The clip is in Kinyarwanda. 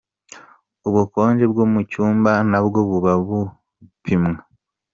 Ubukonje bwo mu cyumba nabwo buba bupimwa.